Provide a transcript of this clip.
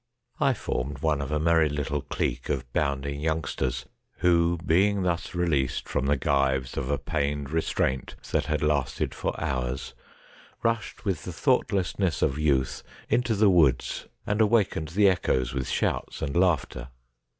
I formed one of a merry little clique of bounding young sters, who, being thus released from the gyves of a pained re straint that had lasted for hours, rushed with the thought lessness of youth into the woods, and awakened the echoes with shouts and laughter.